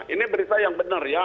ini berita yang benar ya